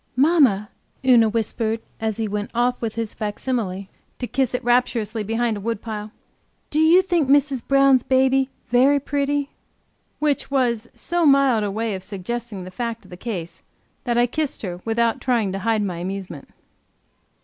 "Mamma," Una whispered, as he went off his facsimile, to kiss it rapturously, behind a woodpile, "do you think Mrs. Brown's baby very pretty?" Which was so mild a way of suggesting the fact of the case, that I kissed her without trying to hide my amusement.